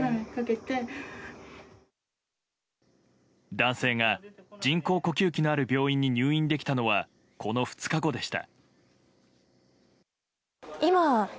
男性が人工呼吸器のある病院に入院できたのはこの２日後でした。